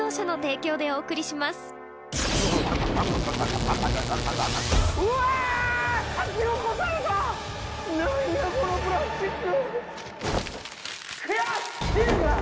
何やこのプラスチック！